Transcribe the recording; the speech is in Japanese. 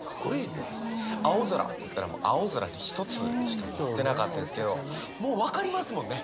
「青空」と言ったら青空一つしか持ってなかったですけどもう分かりますもんね！